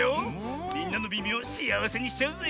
みんなのみみをしあわせにしちゃうぜ。